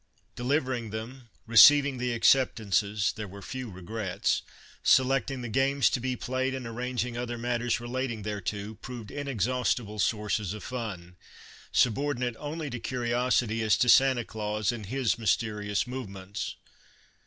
Delivering them, receiving the acceptances,— there were few regrets, — selecting the games to be played and arranging other matters relating thereto, proved inexhaustible sources of fun, subordinate only to curiosity as to Sancta Clans and his mys m me White House in Old Hickory's Day terious movements.